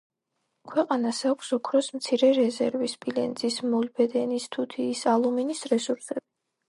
ქვეყანას აქვს ოქროს მცირე რეზერვი, სპილენძის, მოლიბდენის, თუთიის, ალუმინის რესურსები.